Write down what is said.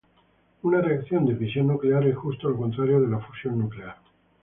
Una reacción de fisión nuclear es justo lo contrario de la fusión nuclear.